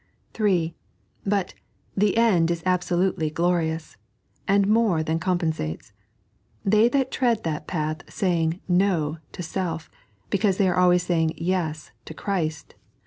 (3) But the ond u abaolutdy glorious, and more than com pensates. They that tread tiiat path, saying " No " to self, because they are always saying "Yea" to Christ, leave 2a